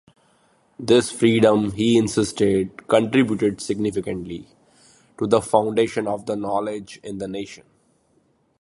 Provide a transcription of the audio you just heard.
This freedom, he insisted "contributed significantly" to the foundation of knowledge in the nation.